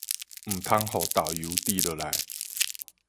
毋通予豆油滴落來